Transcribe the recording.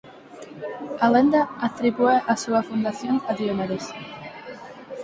A lenda atribúe a súa fundación a Diomedes.